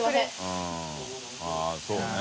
泙そうね。